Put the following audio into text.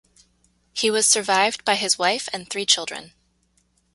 He was survived by his wife and three children.